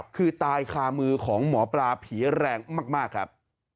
คือตายคามือของหมอปลาผีแรงมากครับ